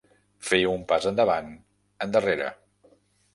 Fer un pas endavant, endarrere.